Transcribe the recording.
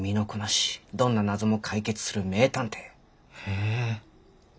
へえ。